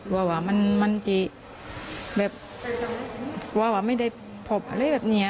กลัวว่าไม่ได้พบอะไรแบบนี้